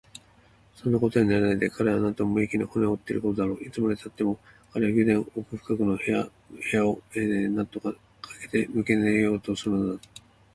そんなことにはならないで、彼はなんと無益に骨を折っていることだろう。いつまでたっても彼は宮殿の奥深くの部屋部屋をなんとかしてかけ抜けようとするのだ。